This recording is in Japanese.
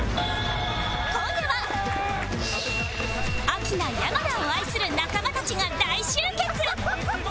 アキナ山名を愛する仲間たちが大集結